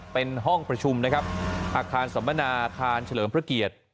เป็นห้องประชุมนะครับอาคารสัมมนาอาคารเฉลิมพระเกียรติ